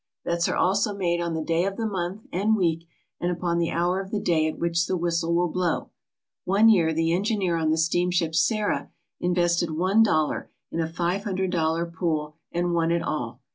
Bets are also made on the day of the month and week and upon the hour of the day at which the whistle will blow. One year the engineer on the steamship Sarah invested one dollar in a five hundred dolfer pool, and won it all.